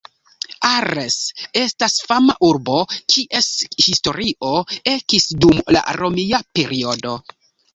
Arles estas fama urbo, kies historio ekis dum la Romia periodo.